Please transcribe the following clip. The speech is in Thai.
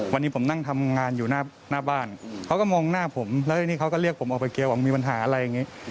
วันนี้ผมนั่งทำงานอยู่หน้าบ้านเขาก็มองหน้าผมแล้วทีนี้เขาก็เรียกผมออกไปเคลียร์บอกมีปัญหาอะไรอย่างนี้